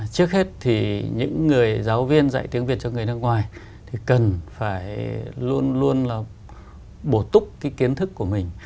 trước hết thì những người giáo viên dạy tiếng việt cho người nước ngoài thì cần phải luôn luôn là bổ túc cái kiến thức của mình